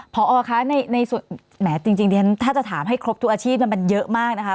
พอคะถ้าจะถามให้ครบทุกอาชีพมันเยอะมากนะครับ